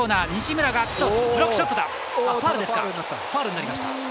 ファウルになりました。